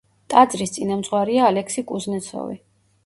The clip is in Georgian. ტაძრის წინამძღვარია ალექსი კუზნეცოვი.